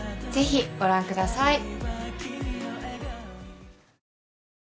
ぜひご覧ください。